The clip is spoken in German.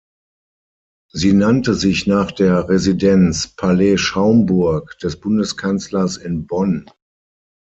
Sie nannte sich nach der Residenz Palais Schaumburg des Bundeskanzlers in Bonn.